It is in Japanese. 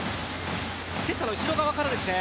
セッターの後ろからです